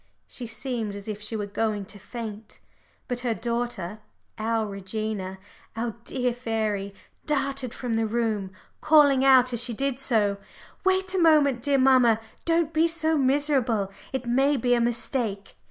She seemed as if she were going to faint. But her daughter, our Regina, our dear fairy, darted from the room, calling out as she did so "Wait a moment, dear mamma. Don't be so miserable. It may be a mistake."